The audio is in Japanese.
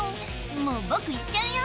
「もう僕行っちゃうよ」